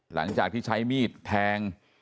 หลังจากที่ใช้มีดแทง